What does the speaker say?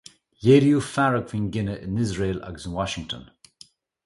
Léiríodh fearg faoin gcinneadh in Iosrael agus in Washington.